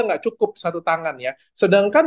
nggak cukup satu tangan ya sedangkan